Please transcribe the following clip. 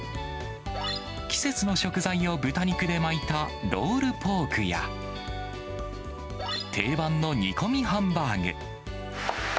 季節の食材を豚肉で巻いたロールポークや、定番の煮込みハンバーグ。